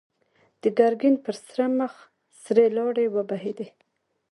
د ګرګين پر سره مخ سرې لاړې وبهېدې.